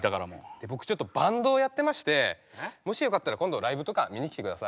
で僕ちょっとバンドをやってましてもしよかったら今度ライブとか見に来てください。